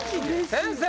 先生。